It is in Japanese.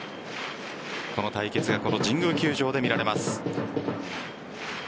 この対決が神宮球場で見られます。